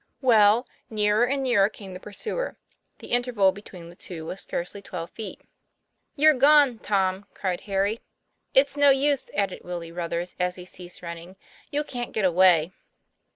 Well nearer and nearer came the pursuer. The interval between the two was scarcely twelve feet. "You're gone, Tom!" cried Harry. " It's no use," added Willie Ruthers, as he ceased running, "you can't get away."